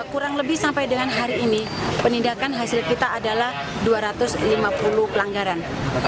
kurang lebih sampai dengan hari ini penindakan hasil kita adalah dua ratus lima puluh pelanggaran